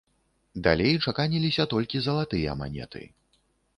Далей чаканіліся толькі залатыя манеты.